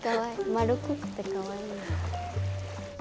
丸っこくてかわいい。